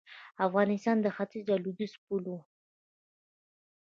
افغانستان د ختیځ او لویدیځ پل و